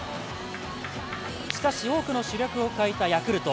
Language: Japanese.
しかし多くの主力を欠いたヤクルト。